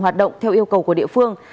hoạt động theo yêu cầu của địa phương